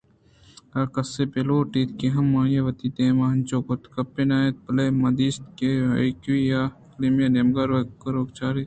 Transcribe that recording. اگاں کسے ءَ بہ لوٹ اِتیں ہم آئی ءَ وتی دیم انچوش کُت کہ گپے نہ اَت بلئے ما دیست کہ آ یکوئی ایمیلیا ءِ نیمگ ءَ روک روک ءَ چارگ ءَ اِنت